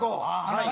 はい。